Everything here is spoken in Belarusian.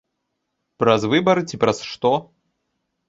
Праз выбары ці праз што?